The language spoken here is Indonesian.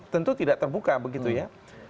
tentu tidak terbuka begitu ya